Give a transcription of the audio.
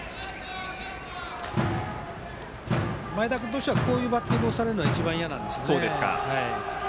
前田君としてはこういうバッティングをされるのが一番いやなんですね。